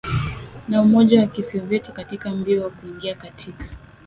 na Umoja wa Kisovyeti katika mbio wa kuingia katika